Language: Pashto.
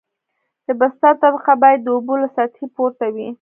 د بستر طبقه باید د اوبو له سطحې پورته وي